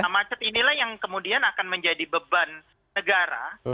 nah macet inilah yang kemudian akan menjadi beban negara